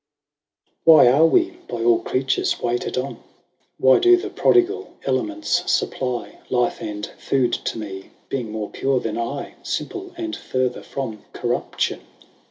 WHy are wee by all creatures waited on ? Why doe the prodigall elements fupply Life and food to mee, being more pure then I, Simple, and further from corruption